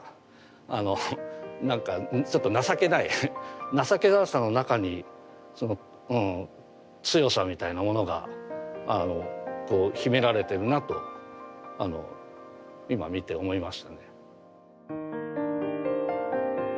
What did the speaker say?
あのなんかちょっと情けない情けなさの中に強さみたいなものがこう秘められてるなと今見て思いましたね。